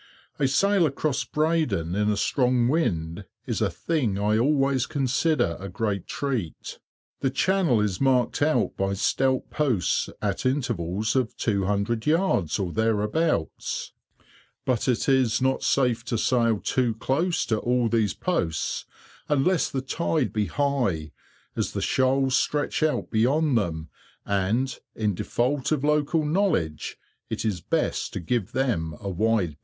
A sail across Breydon in a strong wind, is a thing I always consider a great treat. The channel is marked out by stout posts at intervals of two hundred yards or thereabouts, but it is not safe to sail too close to all these posts unless the tide be high, as the shoals stretch out beyond them, and, in default of local knowledge, it is best to give them a wide berth.